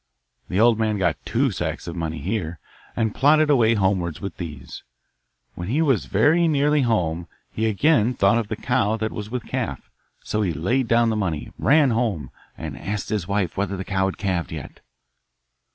The old man got two sacks of money here, and plodded away homewards with these. When he was very nearly home he again thought of the cow that was with calf, so he laid down the money, ran home, and asked his wife whether the cow had calved yet.